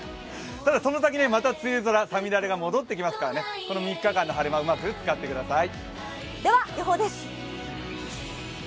ただその先、また梅雨空、五月雨が戻ってきますから、この３日間の晴れ間、うまく使ってください。